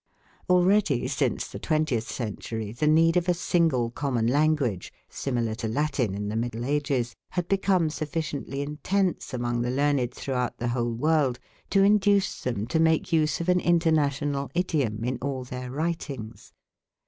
Already since the twentieth century the need of a single common language, similar to Latin in the Middle Ages, had become sufficiently intense among the learned throughout the whole world to induce them to make use of an international idiom in all their writings.